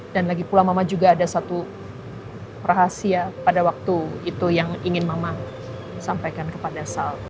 dan lagi pula mama juga ada satu rahasia pada waktu itu yang ingin mama sampaikan kepada sal